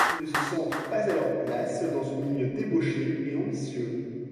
Ils ne se sentent pas à leur place dans ce milieu débauché et ambitieux.